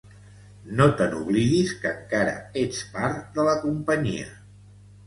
No te n"oblidis que encara ets part de la companyia.